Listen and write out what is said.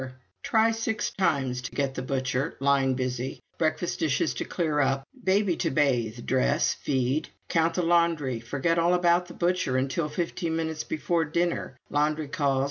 Try six times to get the butcher line busy. Breakfast dishes to clear up; baby to bathe, dress, feed. Count the laundry. Forget all about the butcher until fifteen minutes before dinner. Laundry calls.